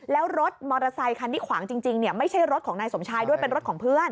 แล้วรถมอเตอร์ไซคันที่ขวางจริงไม่ใช่รถของนายสมชายด้วยเป็นรถของเพื่อน